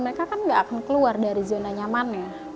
mereka kan tidak akan keluar dari zona nyaman